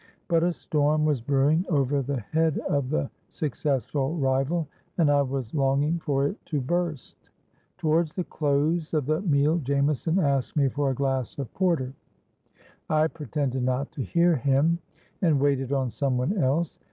But a storm was brewing over the head of the successful rival; and I was longing for it to burst. Towards the close of the meal Jameson asked me for a glass of porter. I pretended not to hear him, and waited on some one else.